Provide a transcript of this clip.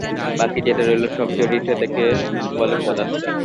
বাকি যেটা রইল সব-জড়িয়ে সেটাকে বলে পদার্থ।